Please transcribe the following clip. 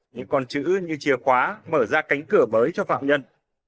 những con chữ như chìa khóa mở ra cánh cửa mới cho phạm nhân